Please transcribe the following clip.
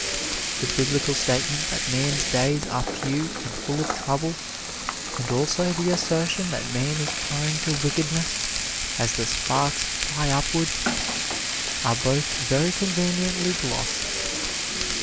The biblical statement that man's days are few and full of trouble, and also the assertion that man is prone to wickedness as the sparks fly upwards, are both very conveniently glossed.